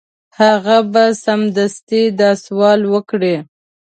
هغه به سمدستي دا سوال وکړي.